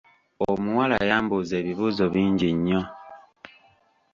Omuwala yambuuza ebibuuzo bingi nnyo.